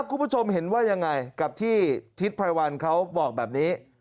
คุณผู้ชมเห็นว่ายังไงกับที่ทิศไพรวัลเขาบอกแบบนี้